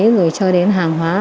rồi cho đến hàng hóa